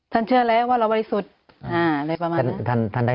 ท่านเชื่อแล้วว่าเราหวัลสุทธิ์